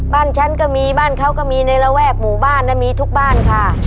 บ้านฉันก็มีบ้านเขาก็มีในระแวกหมู่บ้านนะมีทุกบ้านค่ะ